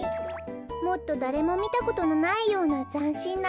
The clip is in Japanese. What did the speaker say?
もっとだれもみたことのないようなざんしんな